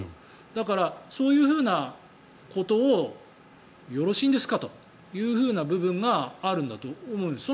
だから、そういうことをよろしいんですかという部分があるんだと思うんです。